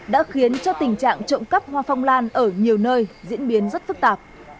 đã khiến cho tình trạng trộm cắp hoa phong lan ở nhiều nơi diễn biến rất phức tạp